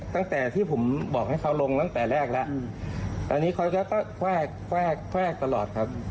ตั้งแต่ที่ผมบอกให้เขาลงตั้งแต่แรกแล้วตอนนี้เขาก็แทรกแวกแฟกตลอดครับ